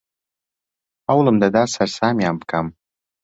هەوڵم دەدا سەرسامیان بکەم.